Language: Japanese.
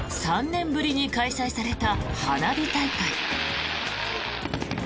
３年ぶりに開催された花火大会。